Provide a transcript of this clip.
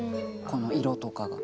この色とかが。